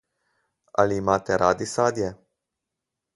Ali imate radi sadje?